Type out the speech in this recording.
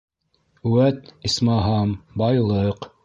Үәт, исмаһам, байлыҡ!